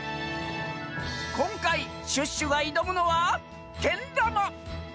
こんかいシュッシュがいどむのはけんだま。